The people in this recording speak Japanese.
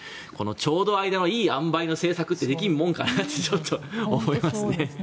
ちょうどいいあんばいの政策ってできないかなとちょっと思いますね。